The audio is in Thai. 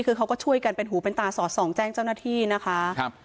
คือเขาก็ช่วยกันเป็นหูเป็นตาสอดส่องแจ้งเจ้าหน้าที่นะคะครับ